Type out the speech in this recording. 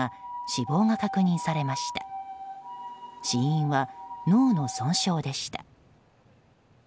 死因は脳の損傷でした。